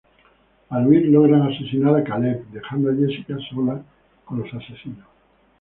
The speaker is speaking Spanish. Al huir logran asesinar a Caleb dejando a Jessica sola con los asesinos.